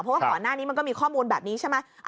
เพราะว่าก่อนหน้านี้มันก็มีข้อมูลแบบนี้ใช่ไหม